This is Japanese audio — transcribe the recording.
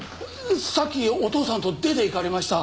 さっきお父さんと出て行かれました